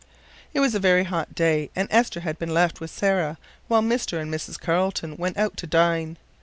It was a very hot day, and Esther had been left with Sarah while Mr. and Mrs. Carleton went out to dine.